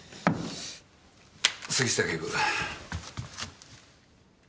杉下警部。